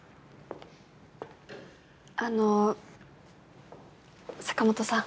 あの坂本さん。